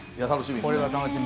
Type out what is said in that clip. これは楽しみ。